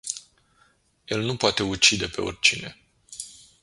El nu poate ucide pe oricine.